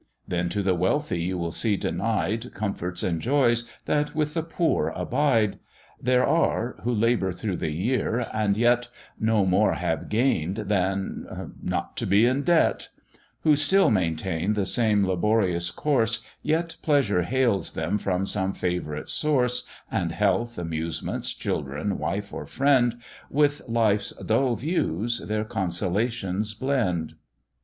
Then to the wealthy you will see denied Comforts and joys that with the poor abide: There are who labour through the year, and yet No more have gain'd than not to be in debt: Who still maintain the same laborious course, Yet pleasure hails them from some favourite source, And health, amusements, children, wife, or friend, With life's dull views their consolations blend.